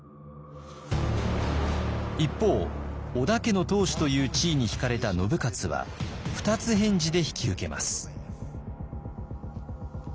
一方織田家の当主という地位に引かれた信雄は二つ返事で引き受けます。